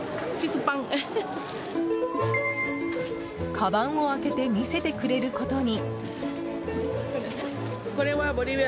かばんを開けて見せてくれることに。